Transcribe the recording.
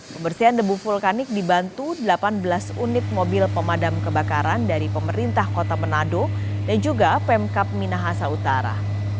kebersihan debu vulkanik dibantu delapan belas unit mobil pemadam kebakaran dari pemerintah kota manado dan juga pemkap minahasa utara